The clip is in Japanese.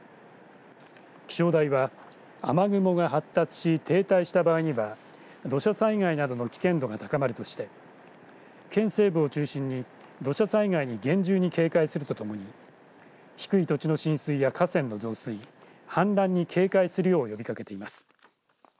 気象台は、雨雲が発達し停滞した場合には土砂災害などの危険度が高まるとして県西部を中心に土砂災害に厳重に警戒するとともに低い土地の浸水や河川の増水氾濫に警戒するよう呼びかけています。